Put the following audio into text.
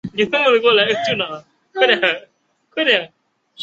永泽正美为大日本帝国陆军军人。